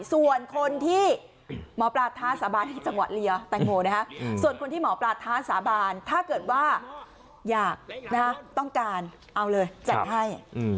ส่วนคนที่หมอปลาท้าสาบานให้จังหวะเรียแตงโมนะคะส่วนคนที่หมอปลาท้าสาบานถ้าเกิดว่าอยากต้องการเอาเลยจัดให้